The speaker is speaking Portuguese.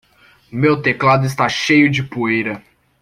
Meu teclado está cheio de poeira.